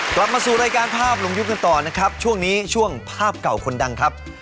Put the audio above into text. กลับมาสู่รายการภาพลุงยุบกันต่อนะครับช่วงนี้ช่วงภาพเก่าคนดังครับ